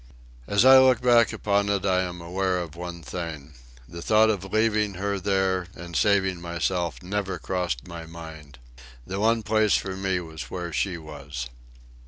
As I look back upon it I am aware of one thing: the thought of leaving her there and saving myself never crossed my mind. The one place for me was where she was.